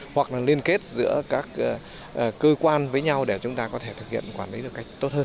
hoặc là liên kết giữa các cơ quan với nhau để chúng ta có thể thực hiện quản lý được cách tốt hơn